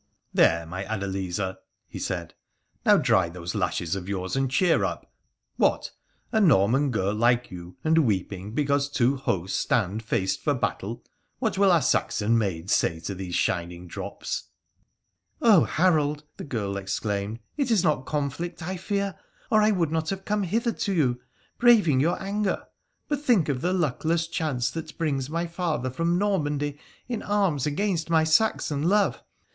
'There, my Adeliza,' he said; 'now dry those lashes of yours and cheer up. What ! A Norman girl like you, and weeping because two hosts stand faced for battle 1 What will our Saxon maids say to these shining drops ?'' Oh, Harold !' the girl exclaimed, ' it is not conflict I fear, or I would not have come hither to you, braving your anger ; but think of the luckless chance that brings my father from Normandy in arms against my Saxon love